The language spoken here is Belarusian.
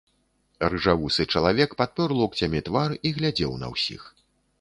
Рыжавусы чалавек падпёр локцямі твар і глядзеў на ўсіх.